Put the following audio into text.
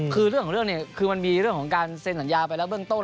คือเรื่องของเรื่องเนี่ยคือมันมีเรื่องของการเซ็นสัญญาไปแล้วเบื้องต้น